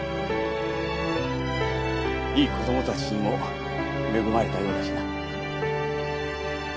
いい子供たちにも恵まれたようだしな。